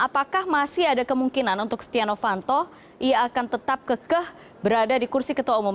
apakah masih ada kemungkinan untuk setia novanto ia akan tetap kekeh berada di kursi ketua umum